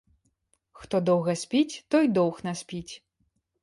Хто доўга спіць, той доўг наспіць.